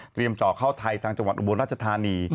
ต่อเข้าไทยทางจังหวัดอุบลราชธานี